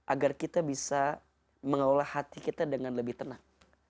agar kita bisa mengolah hati kita dengan lebih tenang